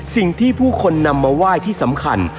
สิ่งที่ผู้คนนำมาไหว้ที่สำคัญ